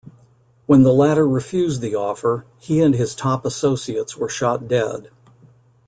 When the latter refused the offer, he and his top associates were shot dead.